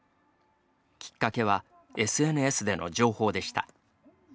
きっかけはＳＮＳでの情報でした。